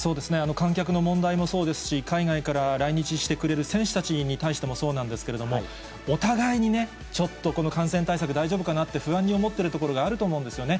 観客の問題もそうですし、海外から来日してくれる選手たちに対してもそうなんですけれども、お互いにちょっとこの感染対策、大丈夫かなって、不安に思っているところがあると思うんですよね。